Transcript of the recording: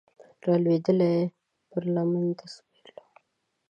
رالویدلې پر لمن د پسرلیو